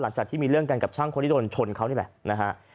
หลังจากที่มีเรื่องกันกับช่างคนที่โดนชนเขานี่แหละนะฮะ